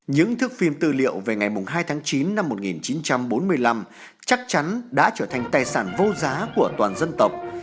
những thước phim tư liệu về ngày hai tháng chín năm một nghìn chín trăm bốn mươi năm chắc chắn đã trở thành tài sản vô giá của toàn dân tộc